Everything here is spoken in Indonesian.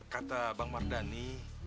kata bang mardhani